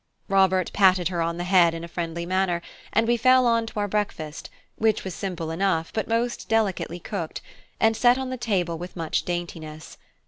Robert patted her on the head in a friendly manner; and we fell to on our breakfast, which was simple enough, but most delicately cooked, and set on the table with much daintiness.